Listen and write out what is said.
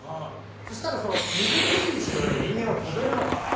そしたら水切り石のように人間はとべるのかって。